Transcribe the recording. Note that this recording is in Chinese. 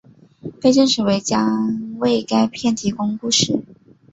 被证实将为该片提供故事。